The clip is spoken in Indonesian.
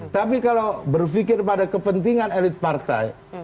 tapi kalau berpikir pada kepentingan elit partai